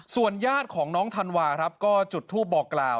ส่วนญาติของน้องธันวาครับก็จุดทูปบอกกล่าว